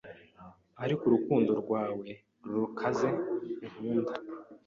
Ariko urukundo rwawe rukaze unkunda